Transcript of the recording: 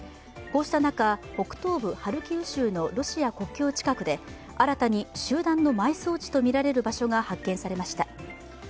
こうした中、北東部ハルキウ州のロシア国境近くで新たに集団の埋葬地とみられる場所が発見されました。